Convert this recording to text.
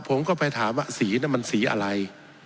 ผมก็ไปถามว่าสีนั้นมันสีอะไร